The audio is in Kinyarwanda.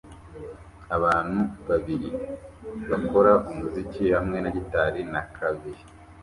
Abantu babiri bakora umuziki hamwe na gitari na clavier